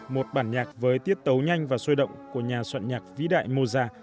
một bản nhạc với tiết tấu nhanh và sôi động của nhà soạn nhạc vĩ đại moza